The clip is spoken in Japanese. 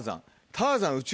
ターザン宇宙